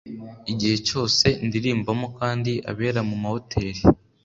igihe cyose ndirimbamo kandi abera mu mahoteli”